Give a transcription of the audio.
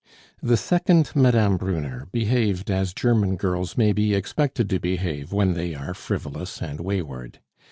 The second Mme. Brunner behaved as German girls may be expected to behave when they are frivolous and wayward.